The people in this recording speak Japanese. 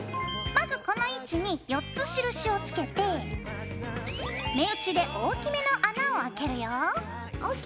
まずこの位置に４つ印をつけて目打ちで大きめの穴をあけるよ。ＯＫ！